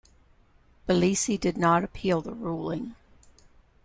Balsillie did not appeal the ruling.